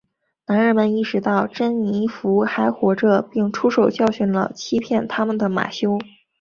男人们意识到珍妮佛还活着并出手教训了欺骗他们的马修。